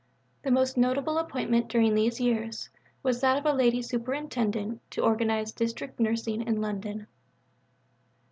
The most notable appointment during these years was that of a Lady Superintendent to organize District Nursing in London.